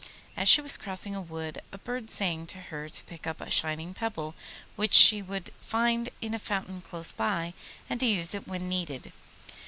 As she was crossing a wood a bird sang to her to pick up a shining pebble which she would find in a fountain close by, and to use it when needed.